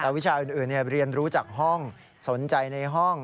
แต่วิชาอื่นเรียนรู้จากห้องสนใจในห้อง